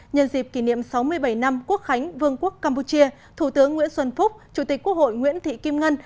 nhân dịp kỷ niệm sáu mươi bảy năm quốc khánh vương quốc campuchia thủ tướng nguyễn xuân phúc chủ tịch quốc hội nguyễn thị kim ngân